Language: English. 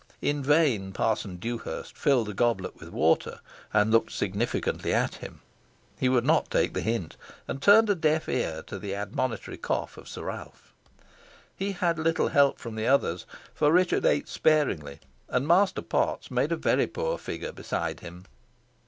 In vain Parson Dewhurst filled a goblet with water, and looked significantly at him. He would not take the hint, and turned a deaf ear to the admonitory cough of Sir Ralph. He had little help from the others, for Richard ate sparingly, and Master Potts made a very poor figure beside him.